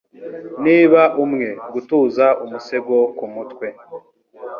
Niba umwe, gutuza umusego kumutwe,